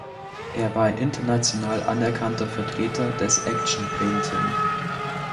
Er war ein international anerkannter Vertreter des Action Painting.